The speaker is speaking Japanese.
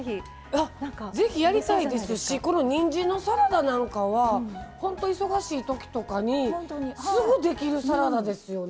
あぜひやりたいですしにんじんのサラダなんかは本当忙しいときとかにすぐできるサラダですよね。